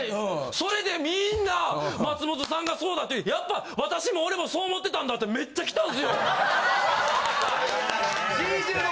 それでみんな、松本さんがそうだって、やった、私も俺もそう思ってたんだって、めっちゃ来たんですよ。